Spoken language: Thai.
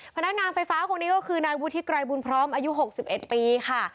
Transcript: พนักงานไฟฟ้าคนนี้ก็คือนายวุฒิไกรบุญพร้อมอายุ๖๑ปีค่ะ